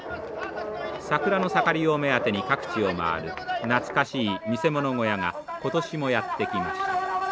桜の盛りを目当てに各地を回る懐かしい見せ物小屋が今年もやって来ました。